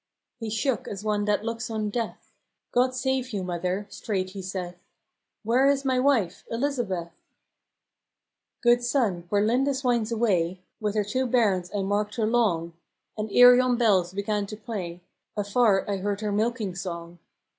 He shook as one that looks on death :" God save you, mother !" straight he saith: " Where is my wife, Elizabeth ?"♦" Good sonne, where Lindis winds away With her two bairns I marked her long: And ere yon bells beganne to play Afar I heard her milking song."